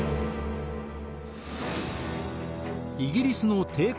イギリスの帝国主義